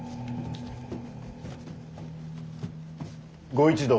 ご一同